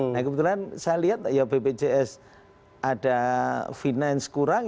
nah kebetulan saya lihat ya bpjs ada finance kurang